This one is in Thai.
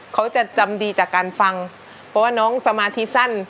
เขาจะจำดีจากการฟังเพราะว่าน้องสมาธิสั้น